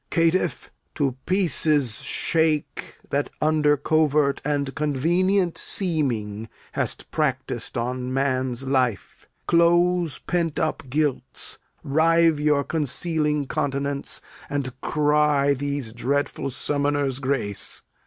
Caitiff, in pieces shake That under covert and convenient seeming Hast practis'd on man's life. Close pent up guilts, Rive your concealing continents, and cry These dreadful summoners grace.